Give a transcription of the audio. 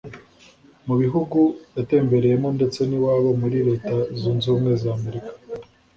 Mu bihugu yatembereyemo ndetse n’iwabo muri Leta Zunze Ubumwe za Amerika